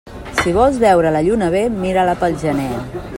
Si vols veure la lluna bé, mira-la pel gener.